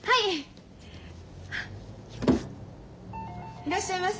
いらっしゃいませ。